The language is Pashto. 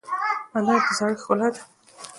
انا د زړښت ښکلا ده